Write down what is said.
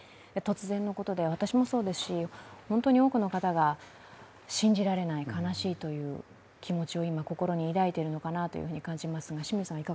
突然のことで私もそうですし本当に多くの方が信じられない、悲しいという気持ちを今、心に抱いているのかなと感じます。